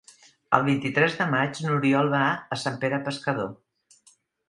El vint-i-tres de maig n'Oriol va a Sant Pere Pescador.